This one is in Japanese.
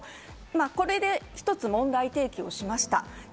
これで一つ問題提起をしました。